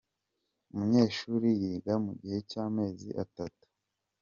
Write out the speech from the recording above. Umunyeshuri yiga mu gihe cy’amezi atatu.